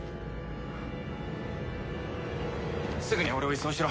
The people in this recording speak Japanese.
すぐに俺を移送しろ！